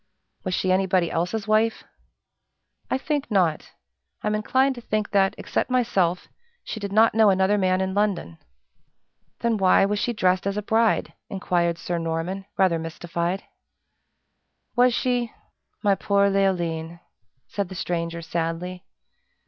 "Was she anybody else's wife?" "I think not. I'm inclined to think that, except myself, she did not know another man in London." "Then why was she dressed as a bride?" inquired Sir Norman, rather mystified. "Was she? My poor Leoline!" said the stranger, sadly.